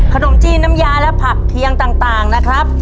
ขนมจีนน้ำยาและผักเคียงต่างนะครับ